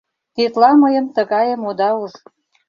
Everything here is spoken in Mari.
Тетла мыйым тыгайым ода уж.